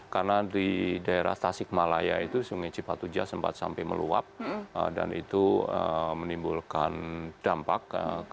karena di daerah tasik malaya itu sungai cipatuja sempat sampai meluap dan itu menimbulkan dampak